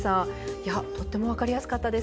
とっても分かりやすかったです。